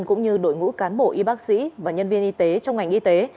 cũng như đội ngũ cán bộ y bác sĩ và nhân viên y tế trong ngành y tế